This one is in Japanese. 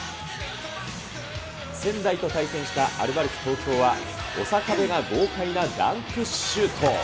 仙台と対戦したアルバルク東京は、小酒部が豪快なダンクシュート。